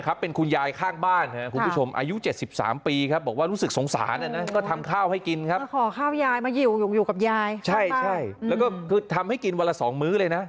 ก็กินกันระหว่างคุณยายให้สัมภาษณ์